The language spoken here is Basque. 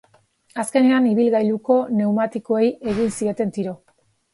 Azkenean, ibilgailuko pneumatikoei egin zieten tiro.